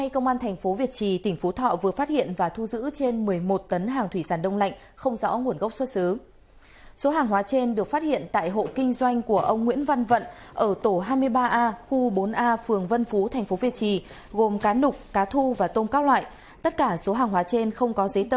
các bạn hãy đăng ký kênh để ủng hộ kênh của chúng mình nhé